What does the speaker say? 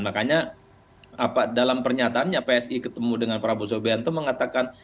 makanya dalam pernyataannya psi ketemu dengan prabowo soebianto mengatakan